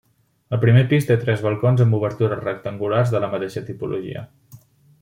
El primer pis té tres balcons amb obertures rectangulars de la mateixa tipologia.